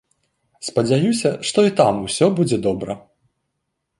Спадзяюся, што і там усё будзе добра.